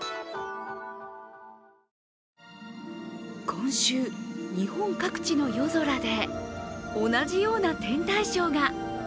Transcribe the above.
今週、日本各地の夜空で同じような天体ショーが。